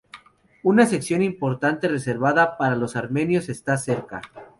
Una sección importante reservada para los armenios está cerca.